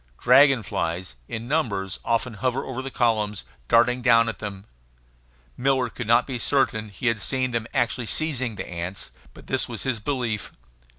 Dragon flies, in numbers, often hover over the columns, darting down at them; Miller could not be certain he had seen them actually seizing the ants, but this was his belief.